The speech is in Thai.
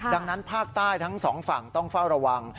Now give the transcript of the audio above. ดังนั้นภาคใต้ทั้งสองฝั่งต้องเฝ้าระวัง